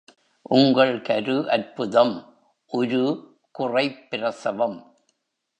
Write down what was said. உங்கள் கரு அற்புதம் உரு, குறைப் பிரசவம்!